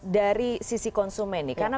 dari sisi konsumen nih karena